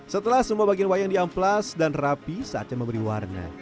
setelah semua bagian wayang diamplas dan rapi saatnya memberi warna